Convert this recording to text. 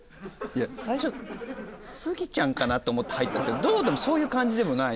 最初スギちゃんかな？って思って入ったんですけどそういう感じでもない。